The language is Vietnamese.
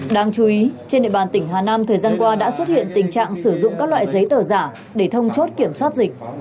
đáng chú ý trên địa bàn tỉnh hà nam thời gian qua đã xuất hiện tình trạng sử dụng các loại giấy tờ giả để thông chốt kiểm soát dịch